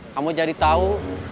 kamu jadi tahu